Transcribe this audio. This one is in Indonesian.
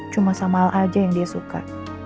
cuma sama al aja yang dia suka